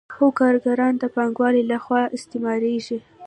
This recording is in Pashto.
خو کارګران د پانګوال له خوا استثمارېږي